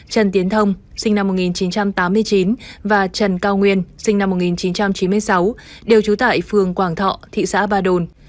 trần tiến thông sinh năm một nghìn chín trăm tám mươi chín và trần cao nguyên sinh năm một nghìn chín trăm chín mươi sáu đều trú tại phường quảng thọ thị xã ba đồn